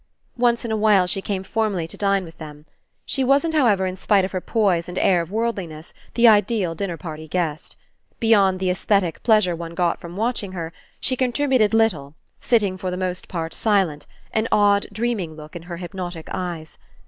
Once in a while she came formally to dine with them. She wasn't, however, in spite of her poise and air of worldliness, the ideal dinner party guest. Beyond the aesthetic pleas ure one got from watching her, she contributed little, sitting for the most part silent, an odd dreaming look in her hypnotic eyes.